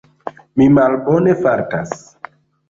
Mi malbone fartas.